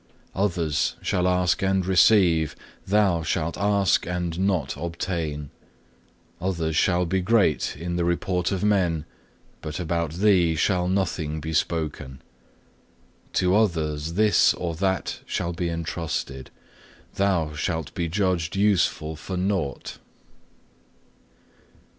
Others shall ask and receive; thou shalt ask and not obtain. Others shall be great in the report of men, but about thee shall nothing be spoken. To others this or that shall be entrusted; thou shalt be judged useful for nought.